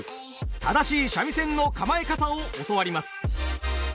正しい三味線の構え方を教わります。